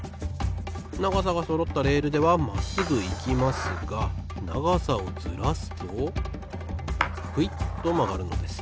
ながさがそろったレールではまっすぐいきますがながさをずらすとクイッとまがるのです。